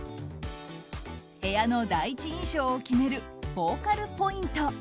部屋の第一印象を決めるフォーカルポイント。